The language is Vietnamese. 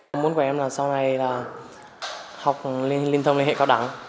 một môn của em là sau này là học lên hệ cao đẳng